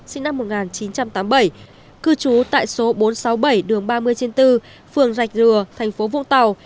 sinh năm một nghìn chín trăm tám mươi bảy cư trú tại số bốn trăm sáu mươi bảy đường ba mươi trên bốn phường rạch rùa thành phố vũng tàu